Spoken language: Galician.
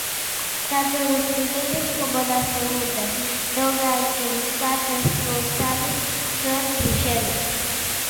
Tanto dos primeiros como das segundas non hai que buscar responsables só en Bruxelas: